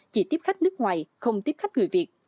chỉ tiếp khách nước ngoài không tiếp khách người việt